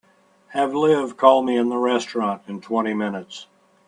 Have Liv call me in the restaurant in twenty minutes.